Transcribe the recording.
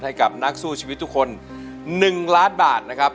ให้กับนักสู้ชีวิตทุกคน๑ล้านบาทนะครับ